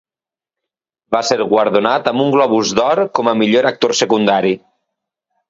Va ser guardonat amb un Globus d'Or com a millor actor secundari.